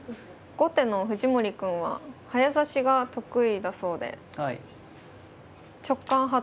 後手の藤森くんは早指しが得意だそうで直感派と。